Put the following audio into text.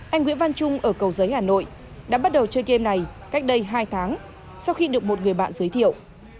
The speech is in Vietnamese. anh nguyễn văn trung ở cầu giấy hà nội đã bắt đầu chơi game này cách đây hai tháng sau khi được một người bạn giới thiệu